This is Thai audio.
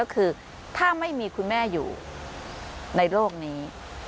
ก็คือถ้าไม่มีคุณแม่อยู่ในโรคนี้